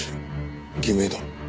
偽名だ。